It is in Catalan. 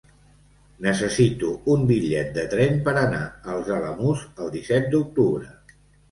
Necessito un bitllet de tren per anar als Alamús el disset d'octubre.